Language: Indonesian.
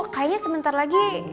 kayaknya sebentar lagi